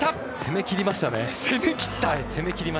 攻め切りましたね。